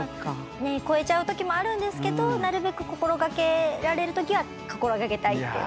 越えちゃうときもあるんですけどなるべく心掛けられるときは心掛けたいっていう。